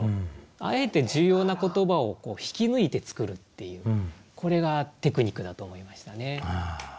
あえて重要な言葉を引き抜いて作るっていうこれがテクニックだと思いましたね。